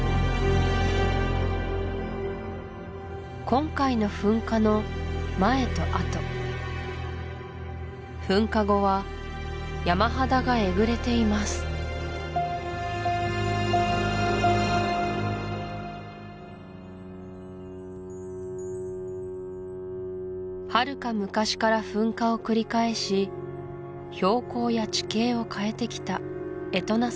今回の噴火の前とあと噴火後は山肌がえぐれていますはるか昔から噴火を繰り返し標高や地形を変えてきたエトナ